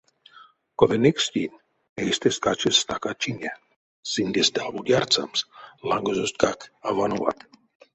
Кода никстинь — эйстэст качадсь стака чине, сындест аволь ярсамс, лангозосткак а вановат.